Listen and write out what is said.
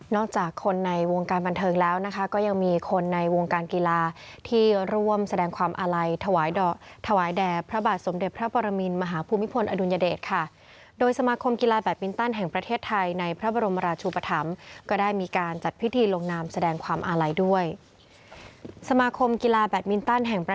จากคนในวงการบันเทิงแล้วนะคะก็ยังมีคนในวงการกีฬาที่ร่วมแสดงความอาลัยถวายดอกถวายแด่พระบาทสมเด็จพระปรมินมหาภูมิพลอดุลยเดชค่ะโดยสมาคมกีฬาแบตมินตันแห่งประเทศไทยในพระบรมราชุปธรรมก็ได้มีการจัดพิธีลงนามแสดงความอาลัยด้วยสมาคมกีฬาแบตมินตันแห่งประ